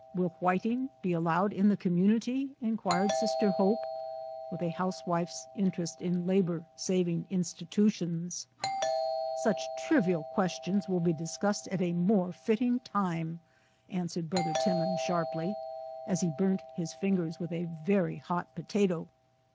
Will whiting be allowed in the community?" in quired Sister Hope, with a housewife's interest in labor saving institutions. "Such trivial questions will be discussed at a Digitized by VjOOQ IC TRANSCENDENTAL WILD OATS 153 more fitting time," answered Brother Timon, sharply, as he burnt his fingers with a very hot potato.